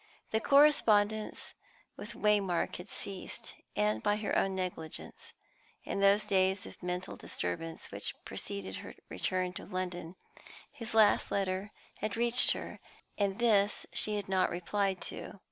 The correspondence with Waymark had ceased, and by her own negligence. In those days of mental disturbance which preceded her return to London, his last letter had reached her, and this she had not replied to.